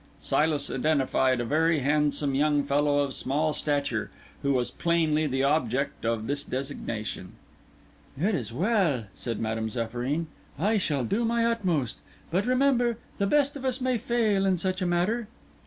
Silas identified a very handsome young fellow of small stature, who was plainly the object of this designation. "It is well," said Madame Zéphyrine. "I shall do my utmost. But, remember, the best of us may fail in such a matter."